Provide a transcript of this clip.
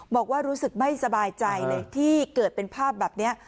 บอกว่ารู้สึกไม่สบายใจเลยที่เกิดเป็นภาพแบบนี้